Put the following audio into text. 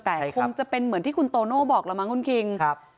แต่คงจะเป็นเหมือนที่คุณโตโน่บอกแล้วมั้งคุณคิง